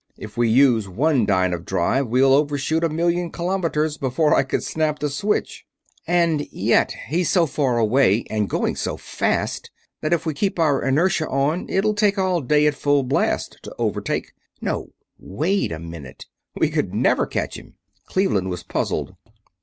If we use one dyne of drive we'll overshoot a million kilometers before I could snap the switch." "And yet he's so far away and going so fast that if we keep our inertia on it'll take all day at full blast to overtake no, wait a minute we could never catch him." Cleveland was puzzled.